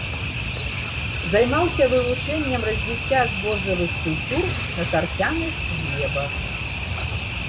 Займаўся вывучэннем развіцця збожжавых культур на тарфяных глебах.